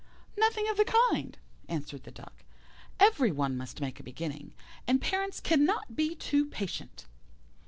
"Nothing of the kind," answered the Duck, "every one must make a beginning, and parents cannot be too patient."